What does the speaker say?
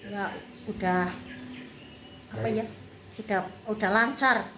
ya udah apa ya udah lancar